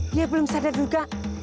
dia belum sadar juga